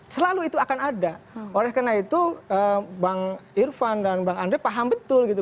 selalu itu akan ada oleh karena itu bang irfan dan bang andre paham betul gitu